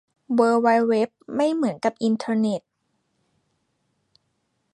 เวิล์ดไวด์เว็บไม่เหมือนกับอินเทอร์เน็ต